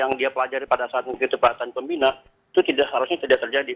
yang dia pelajari pada saat mengikuti perhatian pembina itu tidak harusnya tidak terjadi